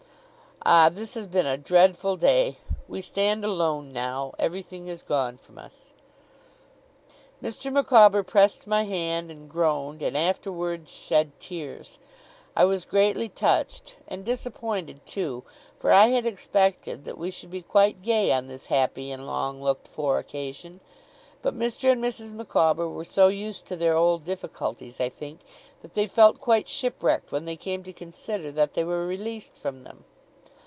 Ah, this has been a dreadful day! We stand alone now everything is gone from us!' Mr. Micawber pressed my hand, and groaned, and afterwards shed tears. I was greatly touched, and disappointed too, for I had expected that we should be quite gay on this happy and long looked for occasion. But Mr. and Mrs. Micawber were so used to their old difficulties, I think, that they felt quite shipwrecked when they came to consider that they were released from them.